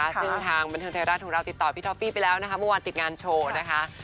ซึ่งทางบันทึงเทราะย์ถูกเราติดต่อพี่ท็อปฟี่ไปแล้วเมื่อวานติดงานโชว์